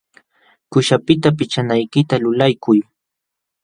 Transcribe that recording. Quśhapiqta pichanaykita lulaykuy.